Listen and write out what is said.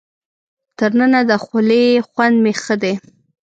تر ننه د خولې خوند مې ښه دی.